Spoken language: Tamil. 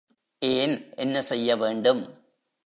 ஏன் என்ன செய்ய வேண்டும்?